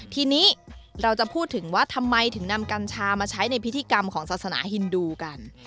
ทีนี้เราจะพูดถึงว่าทำไมถึงนำกัญชามาใช้ในพิธีกรรมของศาสนาฮินดูกัน